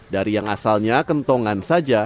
dari yang asalnya kentongan saja